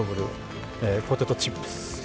ポテトチップス